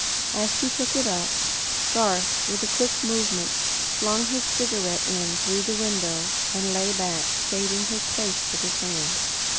As she took it up, Garth with a quick movement flung his cigarette end through the window, and lay back, shading his face with his hand.